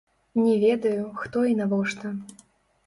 Не ведаю, хто і навошта.